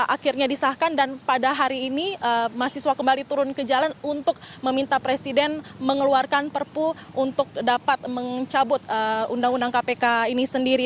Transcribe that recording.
akhirnya disahkan dan pada hari ini mahasiswa kembali turun ke jalan untuk meminta presiden mengeluarkan perpu untuk dapat mencabut undang undang kpk ini sendiri